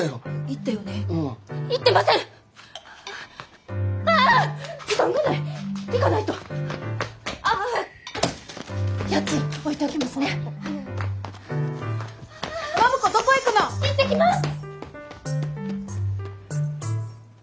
行ってきます！